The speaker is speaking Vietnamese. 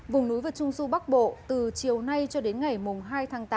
vùng núi vật trung xu bắc bộ từ chiều nay cho đến ngày hai tháng tám